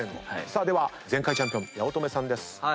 では前回チャンピオン八乙女さんです。